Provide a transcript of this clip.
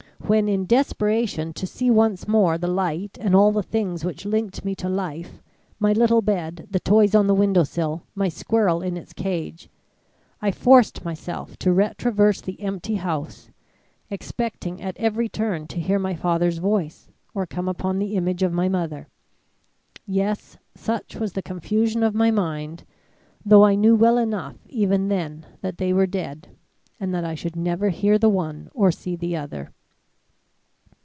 When, in desperation to see once more the light and all the things which linked me to life my little bed, the toys on the windowsill, my squirrel in its cage I forced myself to retraverse the empty house, expecting at every turn to hear my father's voice or come upon the image of my mother yes, such was the confusion of my mind, though I knew well enough even then that they were dead and that I should never hear the one or see the other.